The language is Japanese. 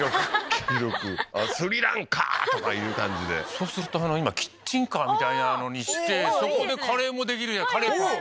黄色くスリランカーとかいう感じでそうすると今キッチンカーみたいなのにしてそこでカレーもできるカレーパンおお！